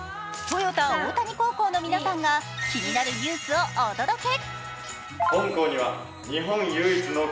豊田大谷高校の皆さんが気になるニュースをお届け。